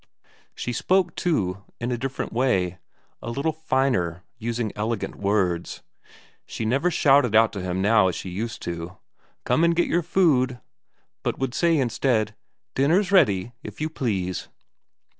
She spoke, too, in a different way, a little finer, using elegant words. She never shouted out to him now as she used to: "Come and get your food!" but would say instead: "Dinner's ready, if you please."